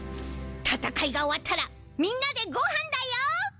戦いが終わったらみんなでごはんだよ！